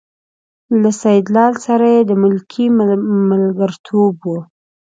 له سیدلال سره یې د ملکۍ ملګرتوب و.